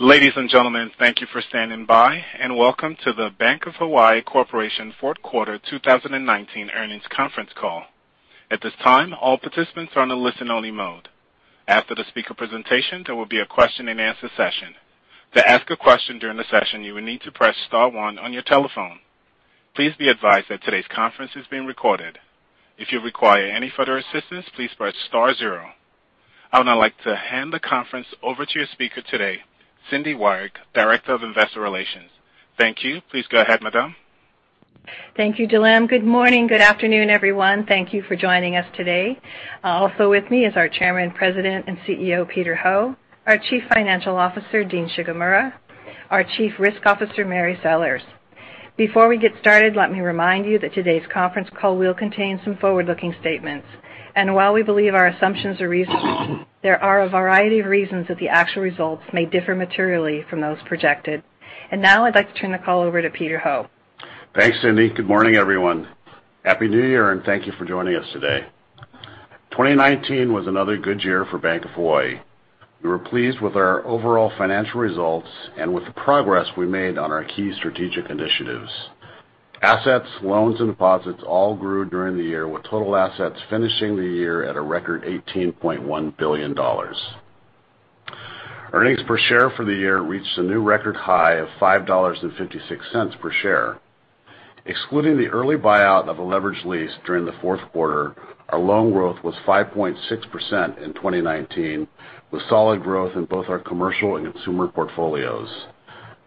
Ladies and gentlemen, thank you for standing by, welcome to the Bank of Hawaii Corporation fourth quarter 2019 earnings conference call. At this time, all participants are on a listen-only mode. After the speaker presentation, there will be a question-and-answer session. To ask a question during the session, you will need to press star one on your telephone. Please be advised that today's conference is being recorded. If you require any further assistance, please press star zero. I would now like to hand the conference over to your speaker today, Cindy Wyrick, Director of Investor Relations. Thank you. Please go ahead, madam. Thank you, Dylan. Good morning, good afternoon, everyone. Thank you for joining us today. Also with me is our Chairman, President, and CEO, Peter Ho, our Chief Financial Officer, Dean Shigemura, our Chief Risk Officer, Mary Sellers. Before we get started, let me remind you that today's conference call will contain some forward-looking statements. While we believe our assumptions are reasonable, there are a variety of reasons that the actual results may differ materially from those projected. Now I'd like to turn the call over to Peter Ho. Thanks, Cindy. Good morning, everyone. Happy New Year, and thank you for joining us today. 2019 was another good year for Bank of Hawaii. We were pleased with our overall financial results and with the progress we made on our key strategic initiatives. Assets, loans, and deposits all grew during the year, with total assets finishing the year at a record $18.1 billion. Earnings per share for the year reached a new record high of $5.56 per share. Excluding the early buyout of a leveraged lease during the fourth quarter, our loan growth was 5.6% in 2019, with solid growth in both our commercial and consumer portfolios.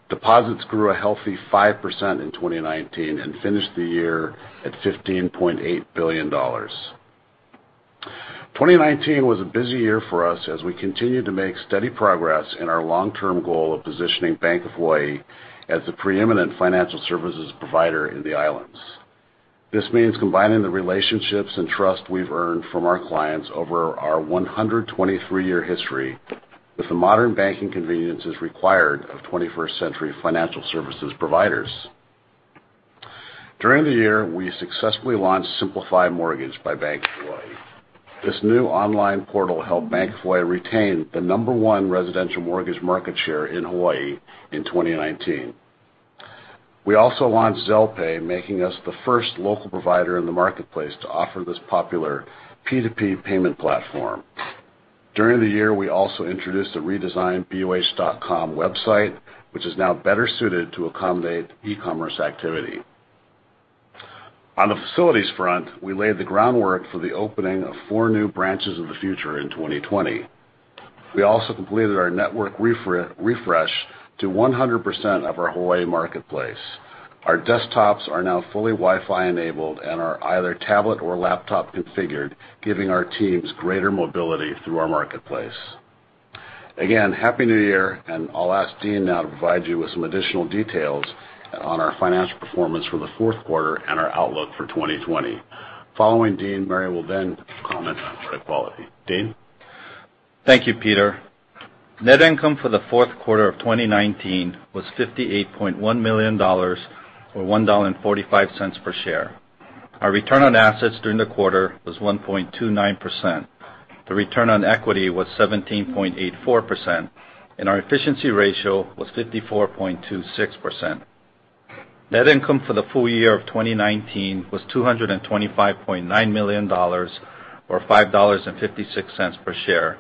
Deposits grew a healthy 5% in 2019 and finished the year at $15.8 billion. 2019 was a busy year for us as we continued to make steady progress in our long-term goal of positioning Bank of Hawaii as the preeminent financial services provider in the islands. This means combining the relationships and trust we've earned from our clients over our 123-year history with the modern banking conveniences required of 21st century financial services providers. During the year, we successfully launched Simplify Mortgage by Bank of Hawaii. This new online portal helped Bank of Hawaii retain the number one residential mortgage market share in Hawaii in 2019. We also launched Zelle Pay, making us the first local provider in the marketplace to offer this popular P2P payment platform. During the year, we also introduced a redesigned boh.com website, which is now better suited to accommodate e-commerce activity. On the facilities front, we laid the groundwork for the opening of four new branches in the future in 2020. We also completed our network refresh to 100% of our Hawaii marketplace. Our desktops are now fully Wi-Fi enabled and are either tablet or laptop configured, giving our teams greater mobility through our marketplace. Again, Happy New Year. I'll ask Dean now to provide you with some additional details on our financial performance for the fourth quarter and our outlook for 2020. Following Dean, Mary will then comment on credit quality. Dean? Thank you, Peter. Net income for the fourth quarter of 2019 was $58.1 million, or $1.45 per share. Our return on assets during the quarter was 1.29%. The return on equity was 17.84%, and our efficiency ratio was 54.26%. Net income for the full year of 2019 was $225.9 million, or $5.56 per share,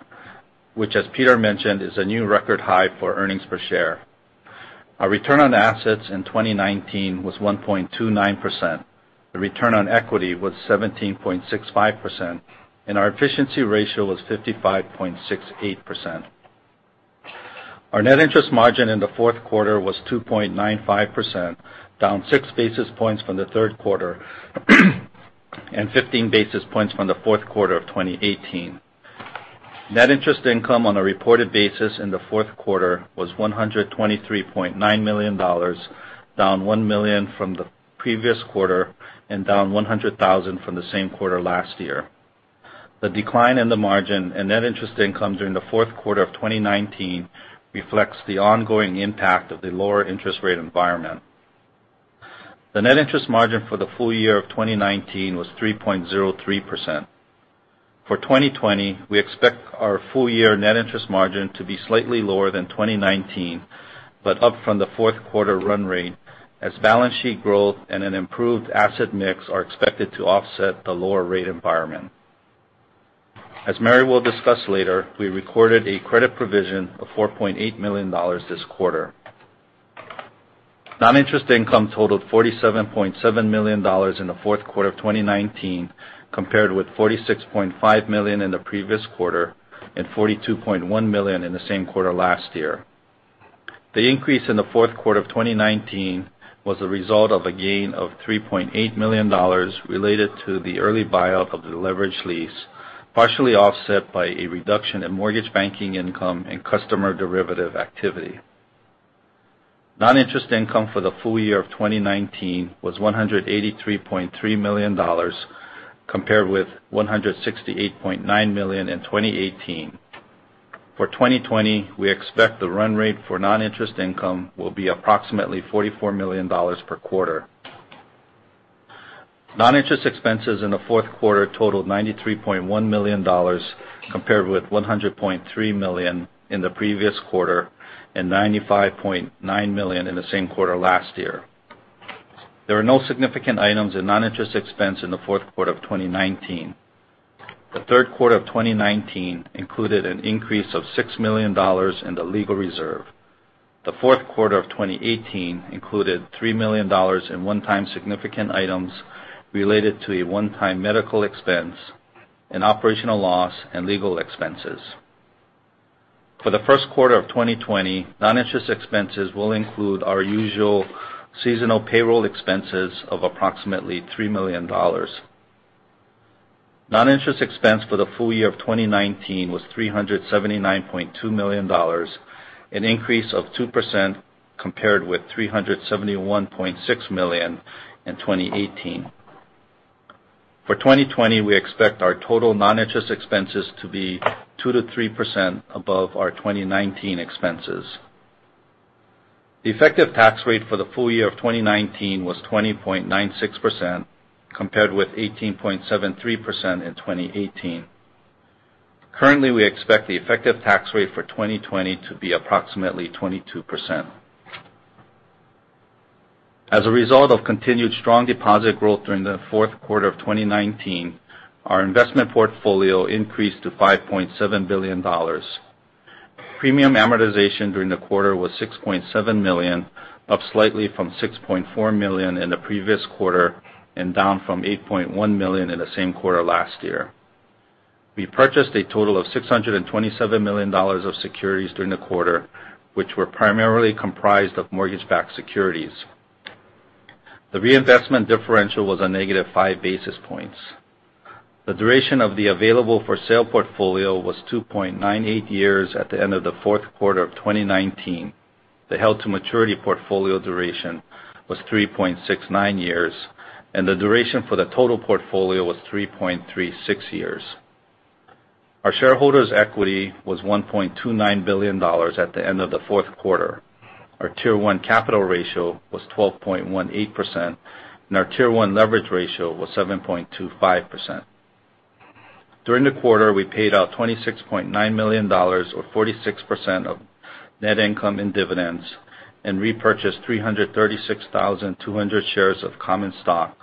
which, as Peter mentioned, is a new record high for earnings per share. Our return on assets in 2019 was 1.29%. The return on equity was 17.65%, and our efficiency ratio was 55.68%. Our net interest margin in the fourth quarter was 2.95%, down six basis points from the third quarter and 15 basis points from the fourth quarter of 2018. Net interest income on a reported basis in the fourth quarter was $123.9 million, down $1 million from the previous quarter and down $100,000 from the same quarter last year. The decline in the margin and net interest income during the fourth quarter of 2019 reflects the ongoing impact of the lower interest rate environment. The net interest margin for the full year of 2019 was 3.03%. For 2020, we expect our full year net interest margin to be slightly lower than 2019, but up from the fourth quarter run rate as balance sheet growth and an improved asset mix are expected to offset the lower rate environment. As Mary will discuss later, we recorded a credit provision of $4.8 million this quarter. Non-interest income totaled $47.7 million in the fourth quarter of 2019, compared with $46.5 million in the previous quarter and $42.1 million in the same quarter last year. The increase in the fourth quarter of 2019 was a result of a gain of $3.8 million related to the early buyout of the Leveraged Lease, partially offset by a reduction in mortgage banking income and customer derivative activity. Non-interest income for the full-year of 2019 was $183.3 million, compared with $168.9 million in 2018. For 2020, we expect the run rate for non-interest income will be approximately $44 million per quarter. Non-interest expenses in the fourth quarter totaled $93.1 million, compared with $100.3 million in the previous quarter and $95.9 million in the same quarter last year. There were no significant items in non-interest expense in the fourth quarter of 2019. The third quarter of 2019 included an increase of $6 million in the legal reserve. The fourth quarter of 2018 included $3 million in one-time significant items related to a one-time medical expense, an operational loss, and legal expenses. For the first quarter of 2020, non-interest expenses will include our usual seasonal payroll expenses of approximately $3 million. Non-interest expense for the full year of 2019 was $379.2 million, an increase of 2% compared with $371.6 million in 2018. For 2020, we expect our total non-interest expenses to be 2%-3% above our 2019 expenses. The effective tax rate for the full year of 2019 was 20.96%, compared with 18.73% in 2018. Currently, we expect the effective tax rate for 2020 to be approximately 22%. As a result of continued strong deposit growth during the fourth quarter of 2019, our investment portfolio increased to $5.7 billion. Premium amortization during the quarter was $6.7 million, up slightly from $6.4 million in the previous quarter and down from $8.1 million in the same quarter last year. We purchased a total of $627 million of securities during the quarter, which were primarily comprised of Mortgage-Backed Securities. The reinvestment differential was a negative five basis points. The duration of the Available-for-Sale portfolio was 2.98 years at the end of the fourth quarter of 2019. The Held-to-Maturity portfolio duration was 3.69 years, and the duration for the total portfolio was 3.36 years. Our shareholders' equity was $1.29 billion at the end of the fourth quarter. Our Tier 1 Capital Ratio was 12.18%, and our Tier 1 Leverage Ratio was 7.25%. During the quarter, we paid out $26.9 million, or 46% of net income in dividends and repurchased 336,200 shares of common stock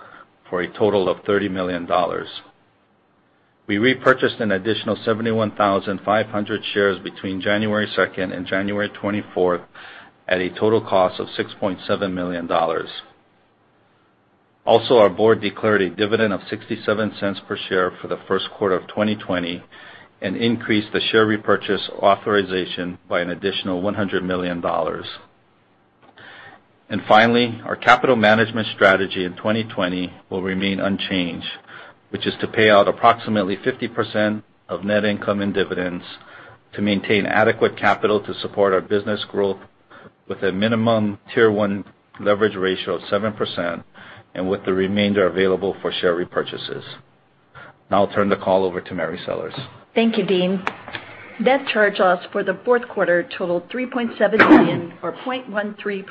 for a total of $30 million. We repurchased an additional 71,500 shares between January 2nd and January 24th at a total cost of $6.7 million. Our board declared a dividend of $0.67 per share for the first quarter of 2020 and increased the share repurchase authorization by an additional $100 million. Our capital management strategy in 2020 will remain unchanged, which is to pay out approximately 50% of net income in dividends to maintain adequate capital to support our business growth with a minimum Tier 1 leverage ratio of 7% and with the remainder available for share repurchases. Now I'll turn the call over to Mary Sellers. Thank you, Dean. Net charge-offs for the fourth quarter totaled $3.7 million, or 0.13%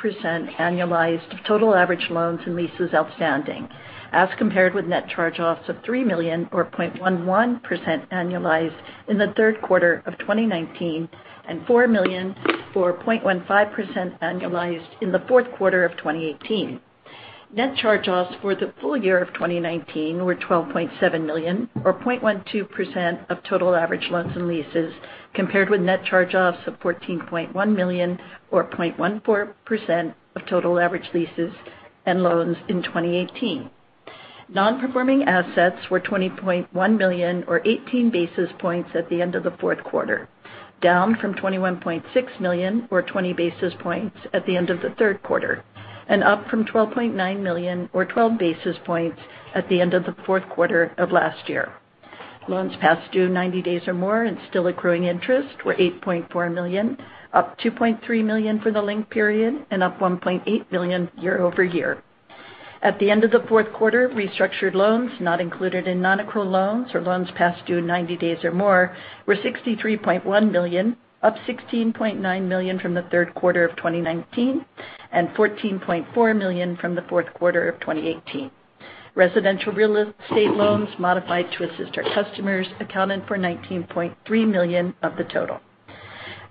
annualized of total average loans and leases outstanding, as compared with net charge-offs of $3 million or 0.11% annualized in the third quarter of 2019, and $4 million, or 0.15% annualized in the fourth quarter of 2018. Net charge-offs for the full year of 2019 were $12.7 million or 0.12% of total average loans and leases, compared with net charge-offs of $14.1 million or 0.14% of total average leases and loans in 2018. Non-performing assets were $20.1 million or 18 basis points at the end of the fourth quarter, down from $21.6 million or 20 basis points at the end of the third quarter, and up from $12.9 million or 12 basis points at the end of the fourth quarter of last year. Loans past due 90 days or more and still accruing interest were $8.4 million, up $2.3 million for the linked period and up $1.8 million year-over-year. At the end of the fourth quarter, restructured loans not included in non-accrual loans or loans past due 90 days or more were $63.1 million, up $16.9 million from the third quarter of 2019 and $14.4 million from the fourth quarter of 2018. Residential real estate loans modified to assist our customers accounted for $19.3 million of the total.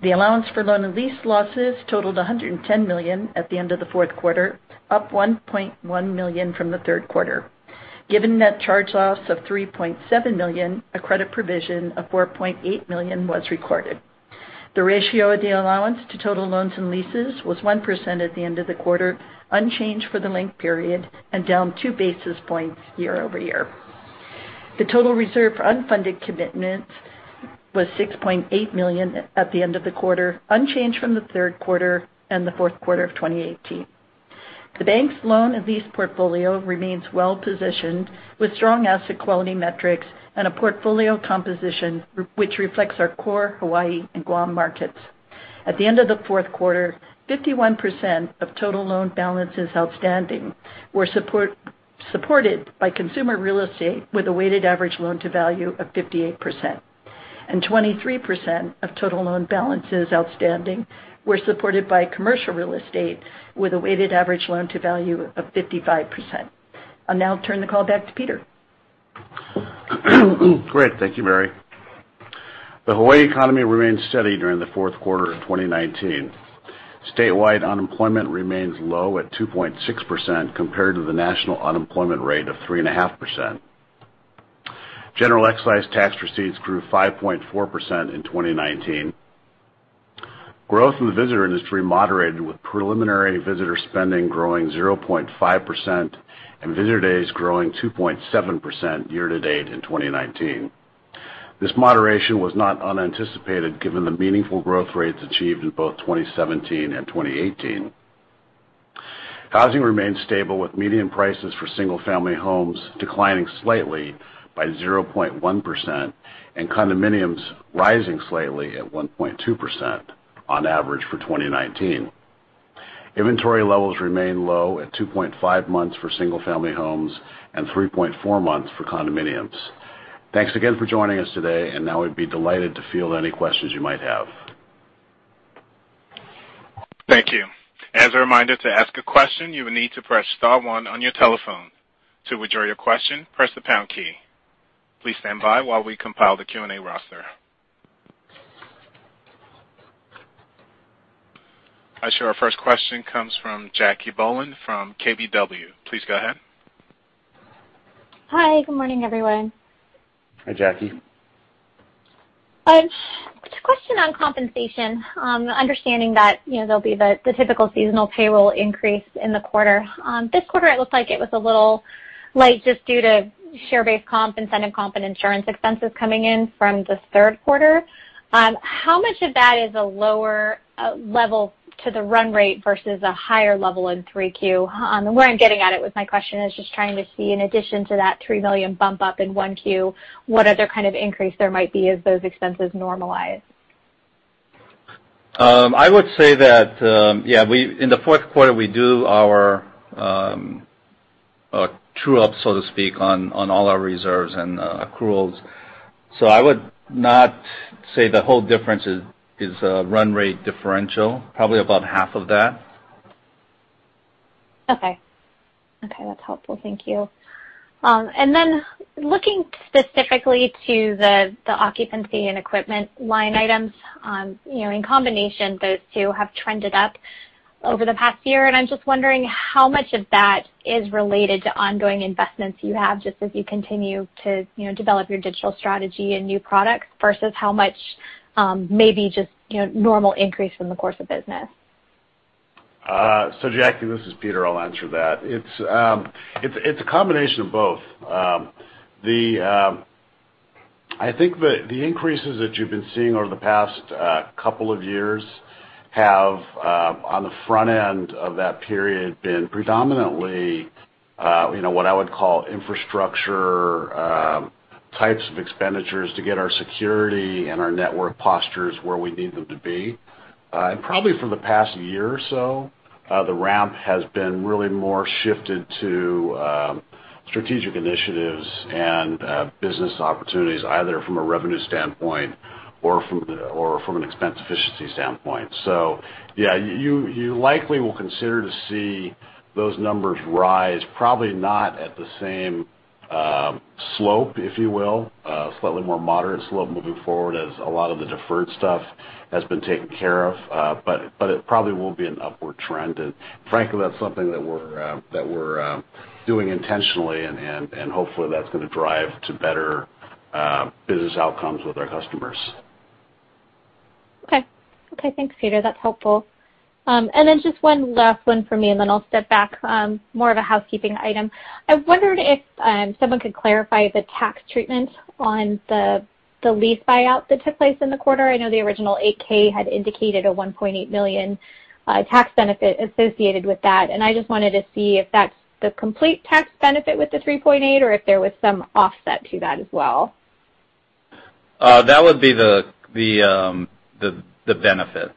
The allowance for loan and lease losses totaled $110 million at the end of the fourth quarter, up $1.1 million from the third quarter. Given net charge-offs of $3.7 million, a credit provision of $4.8 million was recorded. The ratio of the allowance to total loans and leases was 1% at the end of the quarter, unchanged for the linked period and down two basis points year-over-year. The total reserve for unfunded commitments was $6.8 million at the end of the quarter, unchanged from the third quarter and the fourth quarter of 2018. The Bank of Hawaii's loan and lease portfolio remains well-positioned with strong asset quality metrics and a portfolio composition which reflects our core Hawaii and Guam markets. At the end of the fourth quarter, 51% of total loan balances outstanding were supported by consumer real estate with a weighted average loan-to-value of 58%. 23% of total loan balances outstanding were supported by commercial real estate with a weighted average loan-to-value of 55%. I'll now turn the call back to Peter. Great. Thank you, Mary. The Hawaii economy remained steady during the fourth quarter of 2019. Statewide unemployment remains low at 2.6%, compared to the national unemployment rate of 3.5%. General excise tax receipts grew 5.4% in 2019. Growth in the visitor industry moderated with preliminary visitor spending growing 0.5% and visitor days growing 2.7% year to date in 2019. This moderation was not unanticipated given the meaningful growth rates achieved in both 2017 and 2018. Housing remained stable with median prices for single family homes declining slightly by 0.1%, and condominiums rising slightly at 1.2% on average for 2019. Inventory levels remain low at 2.5 months for single family homes and 3.4 months for condominiums. Thanks again for joining us today. Now we'd be delighted to field any questions you might have. Thank you. As a reminder, to ask a question, you will need to press star one on your telephone. To withdraw your question, press the pound key. Please stand by while we compile the Q&A roster. I show our first question comes from Jackie Bohlen from KBW. Please go ahead. Hi. Good morning, everyone. Hi, Jackie. Just a question on compensation. Understanding that there'll be the typical seasonal payroll increase in the quarter. This quarter, it looks like it was a little light just due to share-based comp, incentive comp, and insurance expenses coming in from the third quarter. How much of that is a lower level to the run rate versus a higher level in three Q? Where I'm getting at with my question is just trying to see, in addition to that $3 million bump up in one Q, what other kind of increase there might be as those expenses normalize? I would say that, in the fourth quarter, we do our true up, so to speak, on all our reserves and accruals. I would not say the whole difference is a run rate differential. Probably about half of that. Okay. That's helpful. Thank you. Looking specifically to the occupancy and equipment line items. In combination, those two have trended up over the past year, and I'm just wondering how much of that is related to ongoing investments you have just as you continue to develop your digital strategy and new products versus how much may be just normal increase in the course of business. Jackie, this is Peter. I'll answer that. It's a combination of both. I think the increases that you've been seeing over the past couple of years have, on the front end of that period, been predominantly what I would call infrastructure types of expenditures to get our security and our network postures where we need them to be. Probably for the past year or so, the ramp has been really more shifted to strategic initiatives and business opportunities, either from a revenue standpoint or from an expense efficiency standpoint. Yeah, you likely will consider to see those numbers rise, probably not at the same slope, if you will. Slightly more moderate slope moving forward as a lot of the deferred stuff has been taken care of. It probably will be an upward trend. Frankly, that's something that we're doing intentionally, and hopefully, that's going to drive to better business outcomes with our customers. Okay. Thanks, Peter. That's helpful. Just one last one for me, then I'll step back. More of a housekeeping item. I wondered if someone could clarify the tax treatment on the lease buyout that took place in the quarter. I know the original 8-K had indicated a $1.8 million tax benefit associated with that. I just wanted to see if that's the complete tax benefit with the $3.8 million or if there was some offset to that as well. That would be the benefit.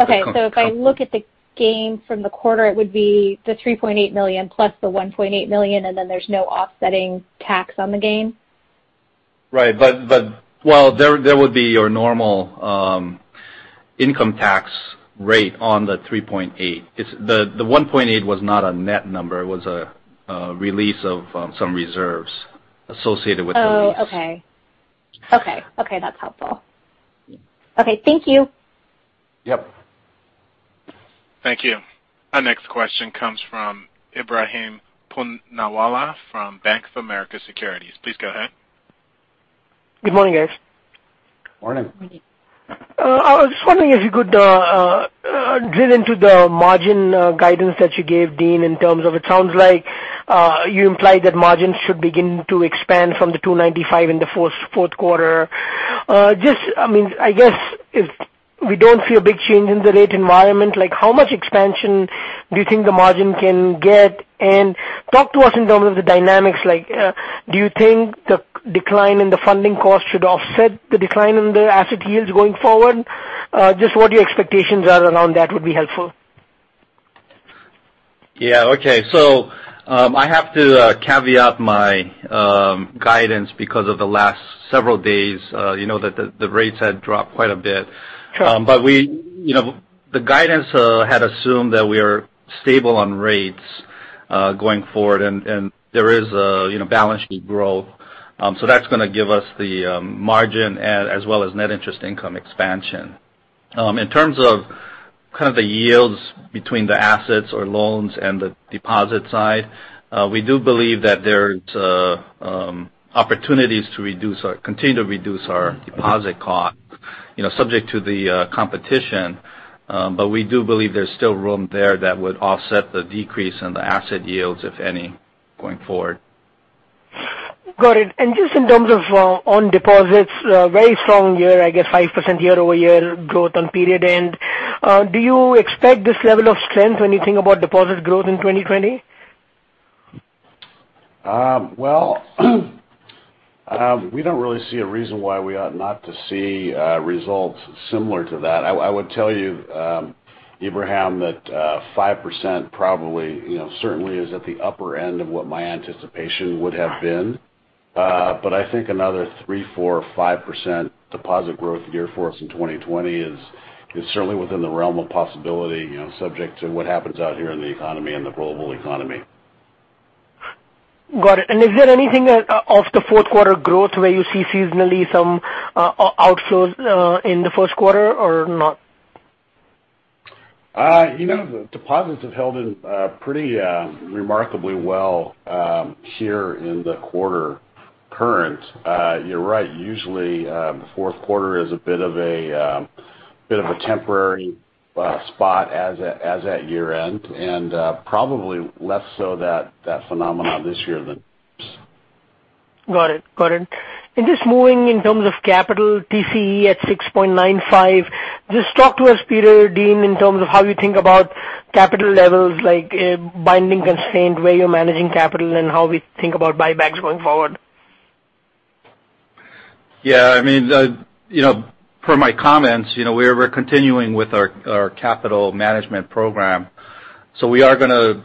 Okay. If I look at the gain from the quarter, it would be the $3.8 million plus the $1.8 million, and then there's no offsetting tax on the gain? Right. Well, there would be your normal income tax rate on the 3.8. The 1.8 was not a net number. It was a release of some reserves associated with the lease. Oh, okay. That's helpful. Okay. Thank you. Yep. Thank you. Our next question comes from Ebrahim Poonawala from Bank of America Securities. Please go ahead. Good morning, guys. Morning. Morning. I was just wondering if you could drill into the margin guidance that you gave, Dean, in terms of it sounds like you implied that margins should begin to expand from the 2.95% in the fourth quarter. Just if we don't see a big change in the rate environment, how much expansion do you think the margin can get? And talk to us in terms of the dynamics. Do you think the decline in the funding cost should offset the decline in the asset yields going forward? Just what your expectations are around that would be helpful. Yeah. Okay. I have to caveat my guidance because of the last several days, that the rates had dropped quite a bit. Sure. The guidance had assumed that we are stable on rates going forward, and there is a balance sheet growth. That's going to give us the margin as well as net interest income expansion. In terms of kind of the yields between the assets or loans and the deposit side, we do believe that there's opportunities to continue to reduce our deposit cost, subject to the competition. We do believe there's still room there that would offset the decrease in the asset yields, if any, going forward. Got it. Just in terms of on deposits, very strong year, I guess 5% year-over-year growth on period end. Do you expect this level of strength when you think about deposit growth in 2020? Well, we don't really see a reason why we ought not to see results similar to that. I would tell you, Ebrahim, that 5% probably certainly is at the upper end of what my anticipation would have been. I think another 3%, 4%, 5% deposit growth year for us in 2020 is certainly within the realm of possibility, subject to what happens out here in the economy and the global economy. Got it. Is there anything off the fourth quarter growth where you see seasonally some outflows in the first quarter or not? The deposits have held in pretty remarkably well here in the quarter current. You're right, usually fourth quarter is a bit of a temporary spot as at year-end, probably less so that phenomena this year. Got it. Just moving in terms of capital TCE at 6.95. Just talk to us, Peter, Dean, in terms of how you think about capital levels, like binding constraint, where you're managing capital, and how we think about buybacks going forward. Yeah, per my comments, we're continuing with our capital management program. We are going to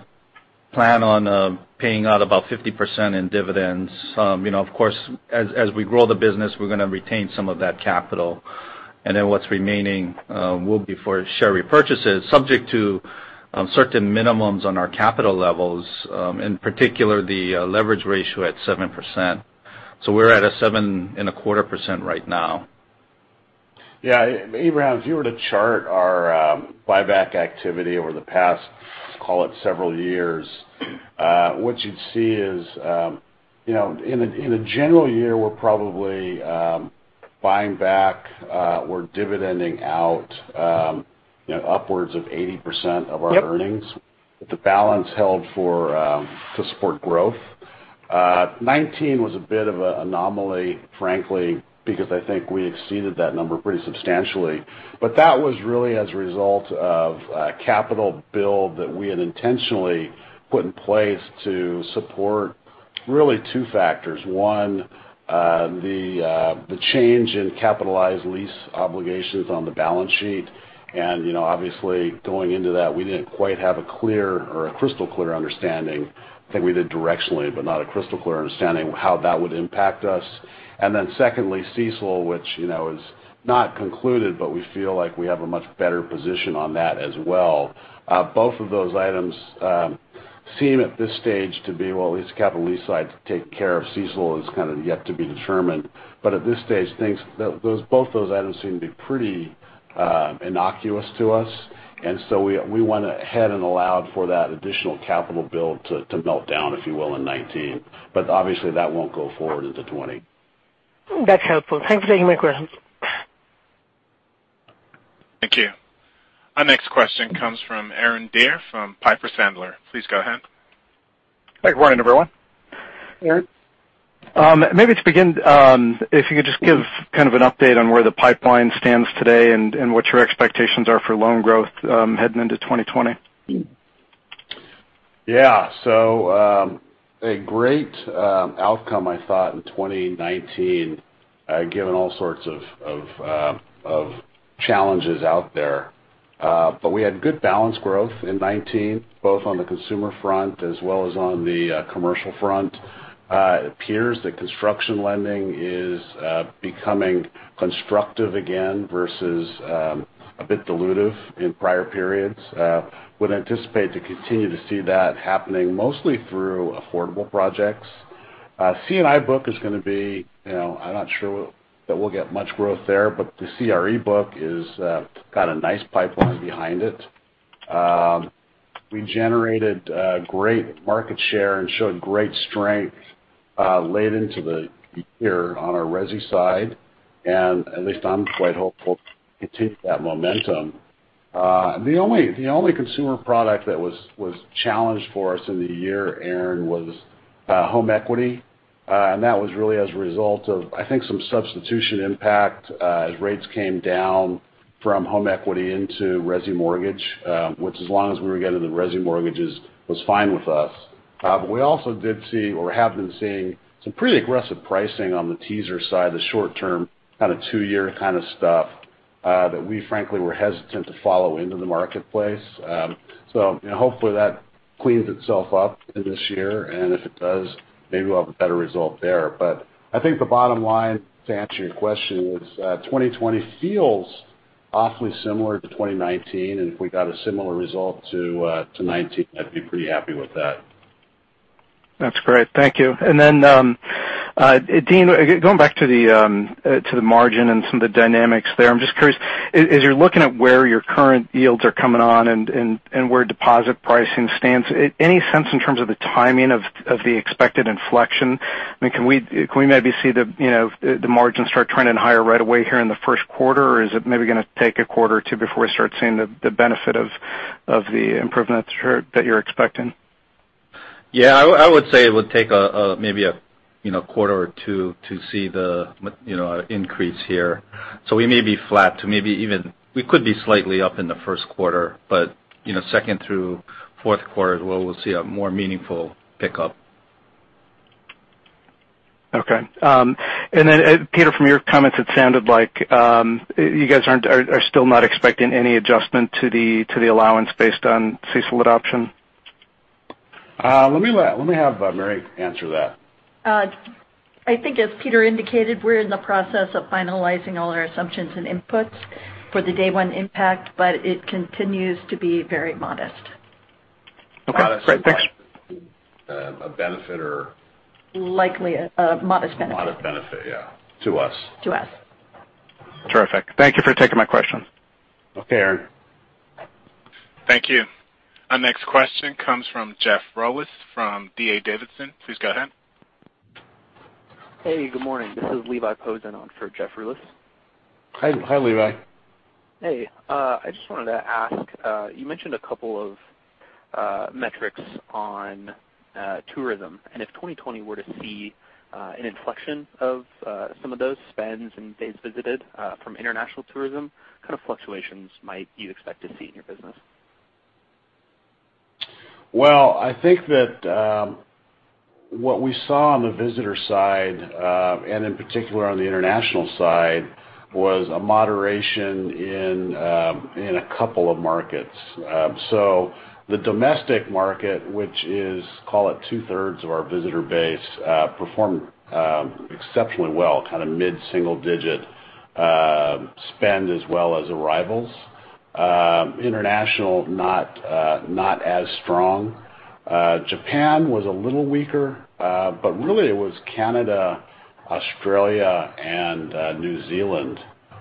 plan on paying out about 50% in dividends. Of course, as we grow the business, we're going to retain some of that capital, and then what's remaining will be for share repurchases, subject to certain minimums on our capital levels, in particular, the leverage ratio at 7%. We're at a 7.25% right now. Yeah. Ebrahim, if you were to chart our buyback activity over the past, call it several years, what you'd see is, in a general year, we're probably buying back or dividending out upwards of 80% of our earnings. Yep. With the balance held to support growth. 2019 was a bit of an anomaly, frankly, because I think we exceeded that number pretty substantially. That was really as a result of a capital build that we had intentionally put in place to support really two factors. One, the change in capitalized lease obligations on the balance sheet, and obviously going into that, we didn't quite have a clear or a crystal clear understanding. I think we did directionally, not a crystal clear understanding how that would impact us. Secondly, CECL, which is not concluded, but we feel like we have a much better position on that as well. Both of those items seem at this stage to be, well, at least the capital lease side is taken care of. CECL is kind of yet to be determined. At this stage, both those items seem to be pretty innocuous to us. We went ahead and allowed for that additional capital build to melt down, if you will, in 2019. Obviously that won't go forward into 2020. That's helpful. Thanks for taking my question. Thank you. Our next question comes from Aaron Deer from Piper Sandler. Please go ahead. Good morning, everyone. Aaron. Maybe to begin, if you could just give kind of an update on where the pipeline stands today and what your expectations are for loan growth heading into 2020. A great outcome I thought in 2019 given all sorts of challenges out there. We had good balance growth in 2019, both on the consumer front as well as on the commercial front. It appears that construction lending is becoming constructive again versus a bit dilutive in prior periods. We would anticipate to continue to see that happening mostly through affordable projects. C&I book is going to be, I'm not sure that we'll get much growth there, the CRE book has got a nice pipeline behind it. We generated great market share and showed great strength late into the year on our resi side, at least I'm quite hopeful to continue that momentum. The only consumer product that was challenged for us in the year, Aaron, was home equity. That was really as a result of, I think some substitution impact as rates came down from home equity into resi mortgage which as long as we were getting the resi mortgages was fine with us. We also did see or have been seeing some pretty aggressive pricing on the teaser side, the short-term kind of two-year kind of stuff. That we frankly were hesitant to follow into the marketplace. Hopefully that cleans itself up in this year, and if it does, maybe we'll have a better result there. I think the bottom line, to answer your question, is that 2020 feels awfully similar to 2019, and if we got a similar result to 2019, I'd be pretty happy with that. That's great. Thank you. Dean, going back to the margin and some of the dynamics there, I'm just curious, as you're looking at where your current yields are coming on and where deposit pricing stands, any sense in terms of the timing of the expected inflection? I mean, can we maybe see the margin start trending higher right away here in the first quarter? Or is it maybe going to take a quarter or two before we start seeing the benefit of the improvements that you're expecting? Yeah, I would say it would take maybe a quarter or two to see the increase here. We may be flat to we could be slightly up in the first quarter, but second through fourth quarter is where we'll see a more meaningful pickup. Okay. Peter, from your comments, it sounded like you guys are still not expecting any adjustment to the allowance based on CECL adoption. Let me have Mary answer that. I think as Peter indicated, we're in the process of finalizing all our assumptions and inputs for the day one impact, but it continues to be very modest. Okay, great. Thanks. A benefit or Likely a modest benefit. Modest benefit, yeah. To us. To us. Terrific. Thank you for taking my question. Okay, Aaron. Thank you. Our next question comes from Jeff Rulis from D.A. Davidson. Please go ahead. Hey, good morning. This is Levi Posen on for Jeff Rulis. Hi, Levi. Hey. I just wanted to ask, you mentioned a couple of metrics on tourism, and if 2020 were to see an inflection of some of those spends and days visited from international tourism, what kind of fluctuations might you expect to see in your business? I think that what we saw on the visitor side, and in particular on the international side, was a moderation in a couple of markets. The domestic market, which is, call it two-thirds of our visitor base, performed exceptionally well, kind of mid-single digit spend as well as arrivals. International, not as strong. Japan was a little weaker, really it was Canada, Australia, and New Zealand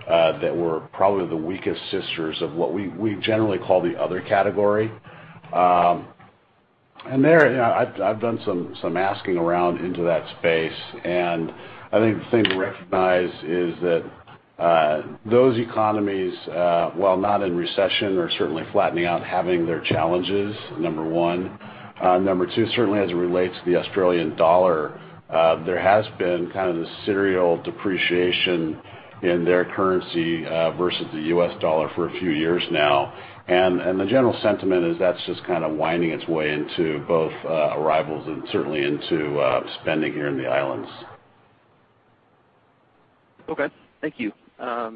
that were probably the weakest sisters of what we generally call the other category. There, I've done some asking around into that space, and I think the thing to recognize is that those economies while not in recession, are certainly flattening out, having their challenges, number one. Number two, certainly as it relates to the Australian dollar, there has been kind of this serial depreciation in their currency versus the U.S. dollar for a few years now. The general sentiment is that's just kind of winding its way into both arrivals and certainly into spending here in the islands. Okay, thank you. I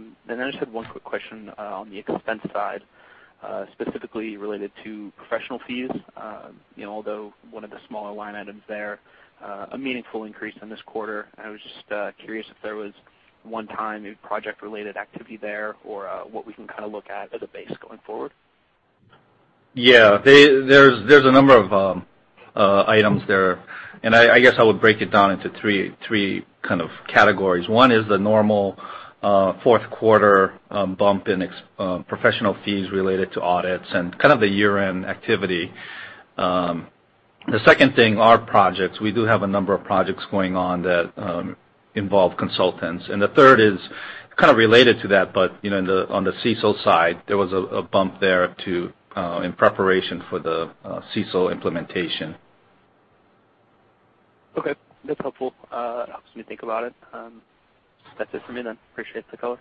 just had one quick question on the expense side, specifically related to professional fees. Although one of the smaller line items there, a meaningful increase in this quarter, I was just curious if there was one-time project-related activity there or what we can kind of look at as a base going forward? Yeah. There's a number of items there, and I guess I would break it down into three kind of categories. One is the normal fourth quarter bump in professional fees related to audits and kind of the year-end activity. The second thing, our projects. We do have a number of projects going on that involve consultants. The third is kind of related to that, but on the CECL side, there was a bump there too in preparation for the CECL implementation. Okay. That's helpful. Helps me think about it. That's it for me then. Appreciate the color.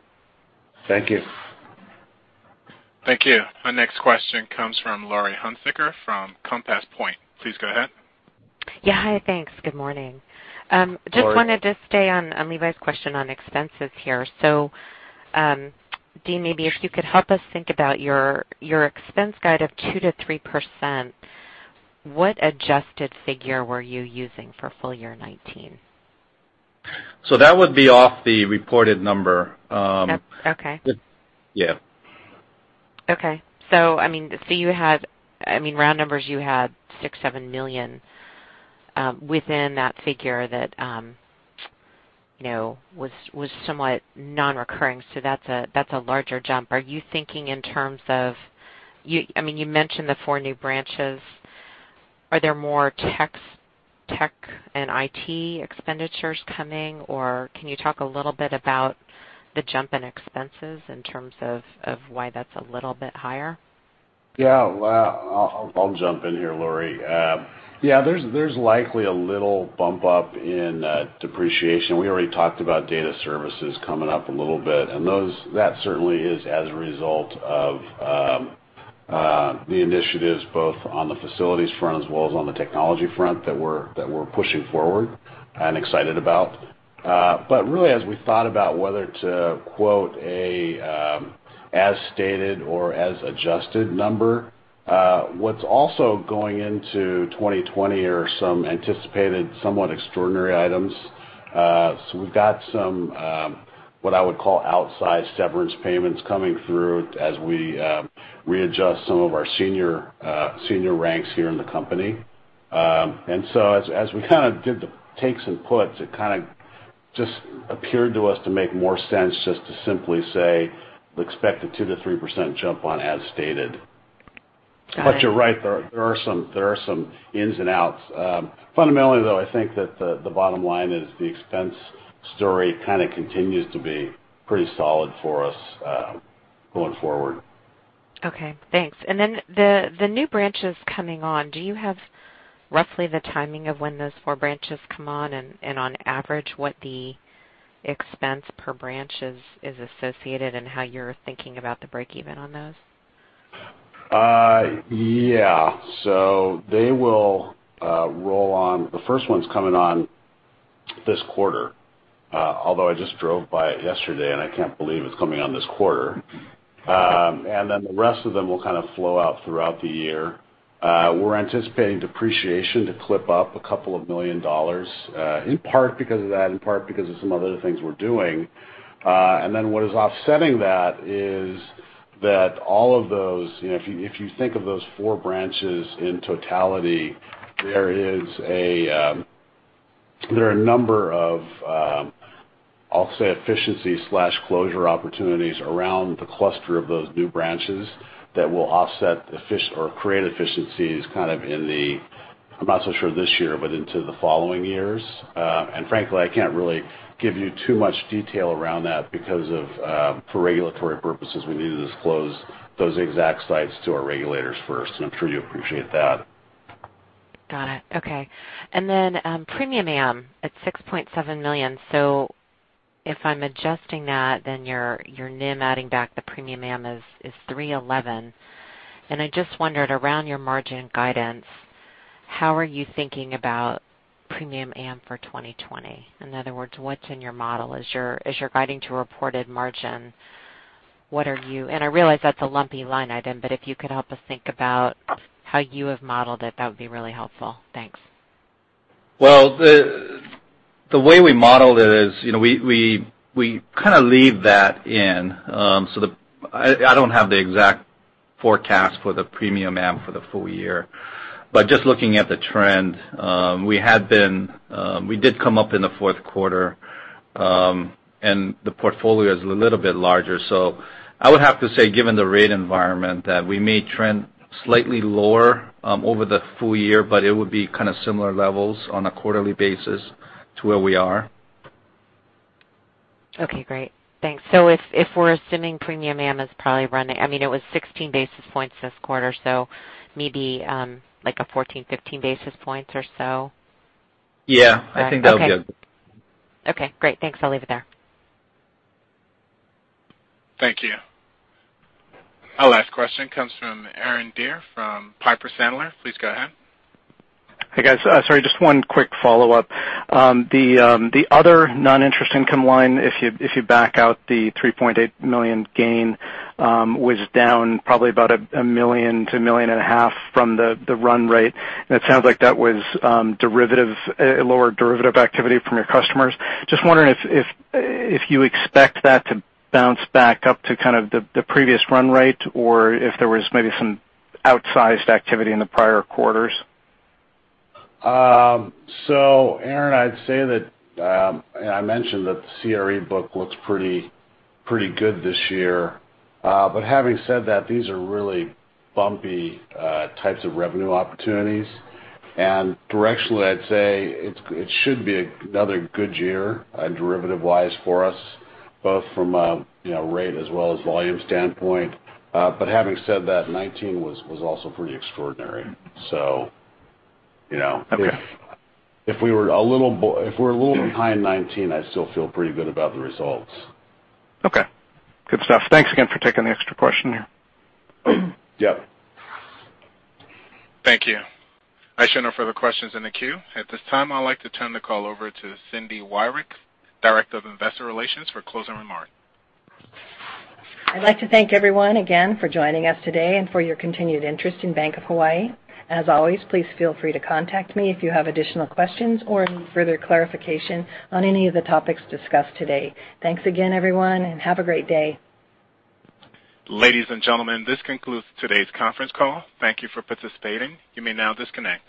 Thank you. Thank you. Our next question comes from Laurie Hunsicker from Compass Point. Please go ahead. Yeah, hi. Thanks. Good morning. Laurie. Just wanted to stay on Levi's question on expenses here. Dean, maybe if you could help us think about your expense guide of 2%-3%, what adjusted figure were you using for full year 2019? That would be off the reported number. Okay. Yeah. Okay. I mean, round numbers, you had $6 million, $7 million within that figure that was somewhat non-recurring. That's a larger jump. Are you thinking in terms of, I mean, you mentioned the four new branches. Are there more tech and IT expenditures coming, or can you talk a little bit about the jump in expenses in terms of why that's a little bit higher? I'll jump in here, Laurie. There's likely a little bump up in depreciation. We already talked about data services coming up a little bit, and that certainly is as a result of the initiatives both on the facilities front as well as on the technology front that we're pushing forward and excited about. Really, as we thought about whether to quote a as stated or as adjusted number, what's also going into 2020 are some anticipated somewhat extraordinary items. We've got some, what I would call, outsized severance payments coming through as we readjust some of our senior ranks here in the company. As we did the takes and puts, it kind of just appeared to us to make more sense just to simply say, "Expect a 2%-3% jump on as stated. Got it. You're right, there are some ins and outs. Fundamentally, though, I think that the bottom line is the expense story kind of continues to be pretty solid for us, going forward. Okay, thanks. Then the new branches coming on, do you have roughly the timing of when those four branches come on and on average, what the expense per branch is associated and how you're thinking about the break-even on those? Yeah. They will roll on. The first one's coming on this quarter. Although I just drove by it yesterday, and I can't believe it's coming on this quarter. The rest of them will kind of flow out throughout the year. We're anticipating depreciation to clip up $2 million, in part because of that, in part because of some other things we're doing. What is offsetting that is that all of those, if you think of those 4 branches in totality, there are a number of, I'll say, efficiency/closure opportunities around the cluster of those new branches that will offset or create efficiencies kind of in the-- I'm not so sure this year, but into the following years. Frankly, I can't really give you too much detail around that because for regulatory purposes, we need to disclose those exact sites to our regulators first, and I'm sure you appreciate that. Got it. Okay. Premium am at $6.7 million. If I'm adjusting that, your NIM adding back the premium am is 3.11%. I just wondered around your margin guidance, how are you thinking about premium am for 2020? In other words, what's in your model? As you're guiding to reported margin, I realize that's a lumpy line item, but if you could help us think about how you have modeled it, that would be really helpful. Thanks. Well, the way we modeled it is we kind of leave that in. I don't have the exact forecast for the premium am for the full year. Just looking at the trend, we did come up in the fourth quarter. The portfolio is a little bit larger. I would have to say, given the rate environment, that we may trend slightly lower over the full year, but it would be kind of similar levels on a quarterly basis to where we are. Okay, great. Thanks. If we're assuming premium am is probably running, I mean, it was 16 basis points this quarter, maybe like a 14, 15 basis points or so? Yeah. I think that'll be it. Okay, great. Thanks. I'll leave it there. Thank you. Our last question comes from Aaron Deer from Piper Sandler. Please go ahead. Hey, guys. Sorry, just one quick follow-up. The other non-interest income line, if you back out the $3.8 million gain, was down probably about $1 million-$1.5 million from the run rate. It sounds like that was lower derivative activity from your customers. Just wondering if you expect that to bounce back up to kind of the previous run rate or if there was maybe some outsized activity in the prior quarters. Aaron, I'd say that, and I mentioned that the CRE book looks pretty good this year. Having said that, these are really bumpy types of revenue opportunities. Directionally, I'd say it should be another good year derivative-wise for us, both from a rate as well as volume standpoint. Having said that, 2019 was also pretty extraordinary. Okay if we're a little bit high in 2019, I still feel pretty good about the results. Okay. Good stuff. Thanks again for taking the extra question here. Yep. Thank you. I show no further questions in the queue. At this time, I'd like to turn the call over to Cindy Wyrick, Director of Investor Relations, for closing remarks. I'd like to thank everyone again for joining us today and for your continued interest in Bank of Hawaii. As always, please feel free to contact me if you have additional questions or need further clarification on any of the topics discussed today. Thanks again, everyone, and have a great day. Ladies and gentlemen, this concludes today's conference call. Thank you for participating. You may now disconnect.